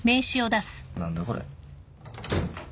何だこれ？